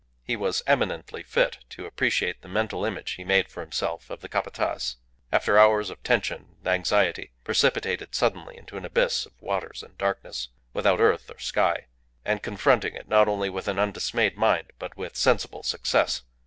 He was eminently fit to appreciate the mental image he made for himself of the Capataz, after hours of tension and anxiety, precipitated suddenly into an abyss of waters and darkness, without earth or sky, and confronting it not only with an undismayed mind, but with sensible success.